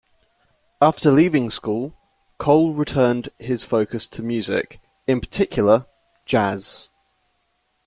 After leaving school, Cole returned his focus to music; in particular, jazz.